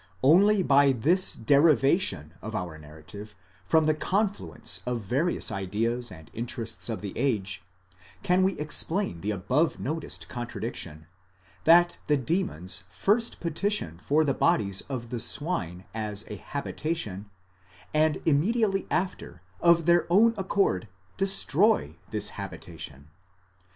Only by this derivation of our narrative from the confluence of various ideas and interests of the age, can we explain the above noticed contradiction, that the demons first petition for the bodies of the swine as a habitation, and immediately after of their own accord destroy this habitation.